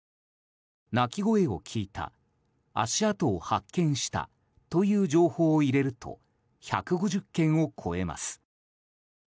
鳴き声を聞いた、足跡を発見したという情報を入れると１５０件を超えます。